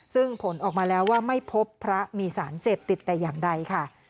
ซึ่งผลออกมาแล้วว่าไม่พบพระมีสารเสพติดแต่อย่างใดค่ะ